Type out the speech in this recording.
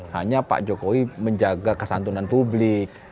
hanya pak jokowi menjaga kesantunan publik